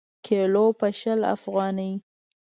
کیلـو په شل افغانۍ.